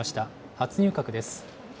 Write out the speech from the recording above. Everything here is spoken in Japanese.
初入閣です。